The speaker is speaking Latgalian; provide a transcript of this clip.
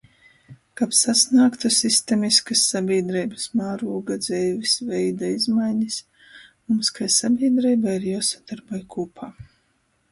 Kab sasnāgtu sistemiskys sabīdreibys mārūga dzeivis veida izmainis, mums kai sabīdreibai ir juosadorboj kūpā.